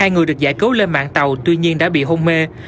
hai người được giải cứu lên mạng tàu tuy nhiên đã bị hôn mê